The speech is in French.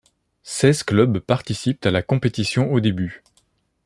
Seize clubs participent à la compétition au début.